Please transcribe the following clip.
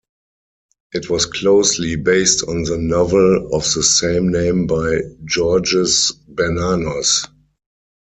It was closely based on the novel of the same name by Georges Bernanos.